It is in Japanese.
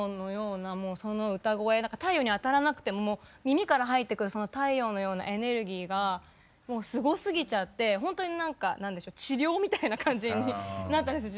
太陽に当たらなくても耳から入ってくるその太陽のようなエネルギーがもうすごすぎちゃって本当になんか何でしょう治療みたいな感じになったんですよ